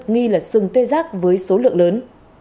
nghi là sừng tê giác với số lượng lớn